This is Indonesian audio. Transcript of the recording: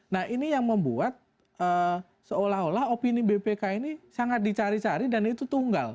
nah ini yang membuat seolah olah opini bpk ini sangat dicari cari dan itu tunggal